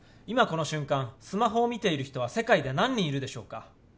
今この瞬間スマホを見ている人は世界で何人いるでしょうか？